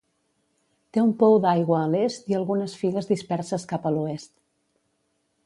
Té un pou d'aigua a l'est i algunes figues disperses cap a l'oest.